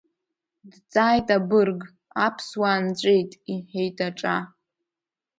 Дҵааит абырг, аԥсуаа нҵәеит, — иҳәеит аҿа.